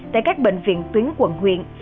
tại các bệnh viện tuyến quận huyện